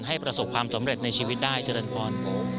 ให้ประสบความสำเร็จในชีวิตได้เชิญก่อน